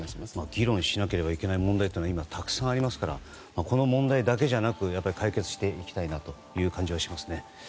議論しなければいけない問題は今たくさんありますからこの問題だけじゃなくて解決していきたいなという感じがしますね。